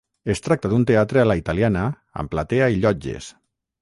Es tracta d'un teatre a la italiana amb platea i llotges.